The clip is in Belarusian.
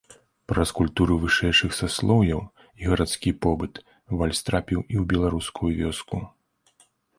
Праз культуру вышэйшых саслоўяў і гарадскі побыт вальс трапіў і ў беларускую вёску.